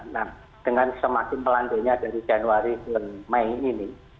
nah dengan semakin melandainya dari januari ke mei ini